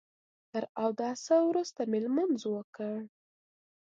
تر اوداسه وروسته مې لمونځ وکړ.